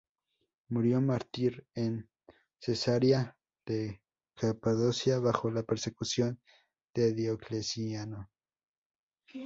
Murió mártir en Cesarea de Capadocia, bajo la persecución de Diocleciano.